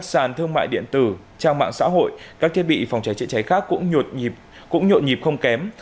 các sản thương mại điện tử trang mạng xã hội các thiết bị phòng cháy chữa cháy khác cũng nhuột nhịp không kém